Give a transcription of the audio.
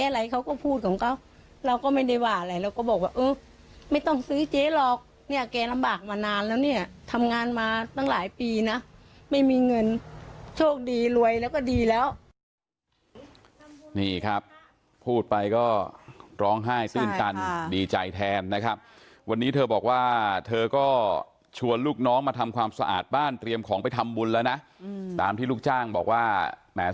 อะไรเขาก็พูดของเขาเราก็ไม่ได้ว่าอะไรเราก็บอกว่าเออไม่ต้องซื้อเจ๊หรอกเนี่ยแกลำบากมานานแล้วเนี่ยทำงานมาตั้งหลายปีนะไม่มีเงินโชคดีรวยแล้วก็ดีแล้วนี่ครับพูดไปก็ร้องไห้ตื้นตันดีใจแทนนะครับวันนี้เธอบอกว่าเธอก็ชวนลูกน้องมาทำความสะอาดบ้านเตรียมของไปทำบุญแล้วนะตามที่ลูกจ้างบอกว่าแหม